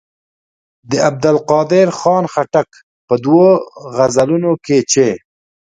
د عبدالقادر خان خټک په دوو غزلونو کې چې.